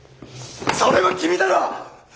それは君だろ！